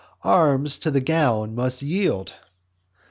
"Arms to the gown must yield."